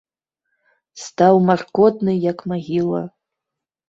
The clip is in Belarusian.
Стаў маркотны, як магіла.